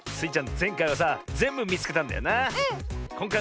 ぜんかいはさぜんぶみつけたんだよな。